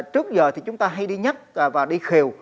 trước giờ thì chúng ta hay đi nhắc và đi khều